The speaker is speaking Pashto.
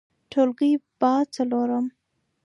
ټولګى : ب څلورم